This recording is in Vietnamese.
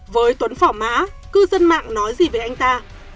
với tuấn phỏ mã cư dân mạng nói gì về anh ta